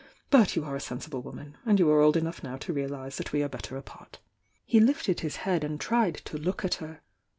But you are a sen sible woman, and you are old enough now to realise that we are better apart." He lifted his head and tried to look at her.